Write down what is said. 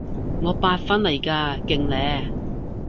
我八返嚟㗎，勁呢？